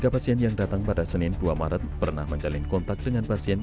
tiga pasien yang datang pada senin dua maret pernah menjalin kontak dengan pasien